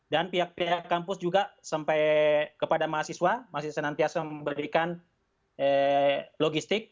dan pihak pihak kampus juga sampai kepada mahasiswa mahasiswa nanti nanti memberikan logistik